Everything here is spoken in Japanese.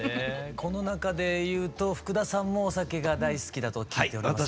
この中で言うと福田さんもお酒が大好きだと聞いておりますけど。